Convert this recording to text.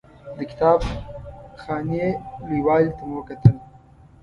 د کتاب خانې لوی والي ته مو وکتل.